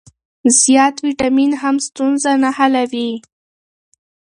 زیات ویټامین هم ستونزه نه حلوي.